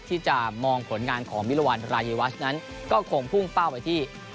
ที่จะมองผลงานของมิรวรรณรายีวัชนั้นก็คงพุ่งเป้าไปที่